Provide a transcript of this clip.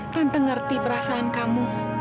tante ngerti perasaan kamu